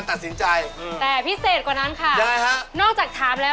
เราจะมีการถามตอบข้อมูลเกี่ยวกับช้างทั้งหมดเลย